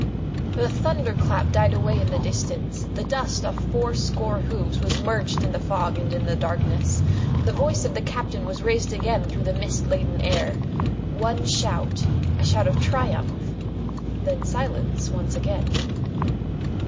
The thunder clap died away in the distance, the dust of four score hoofs was merged in the fog and in the darkness; the voice of the captain was raised again through the mist laden air. One shout ... a shout of triumph ... then silence once again.